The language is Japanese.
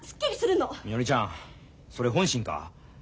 みのりちゃんそれ本心か？